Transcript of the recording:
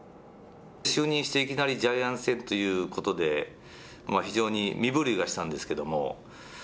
就任して、いきなりジャイアンツ戦ということで、非常に身震いはしたんですけれども。